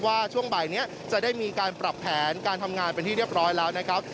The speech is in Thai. ช่วงบ่ายนี้จะได้มีการปรับแผนการทำงานเป็นที่เรียบร้อยแล้วนะครับ